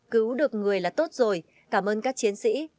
cứu được người là tốt rồi cảm ơn các chiến sĩ